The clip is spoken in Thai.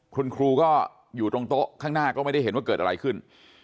คุณครูก็อยู่ตรงโต๊ะข้างหน้าก็ไม่ได้เห็นว่าเกิดอะไรขึ้น